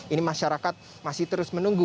ini masyarakat masih terus menunggu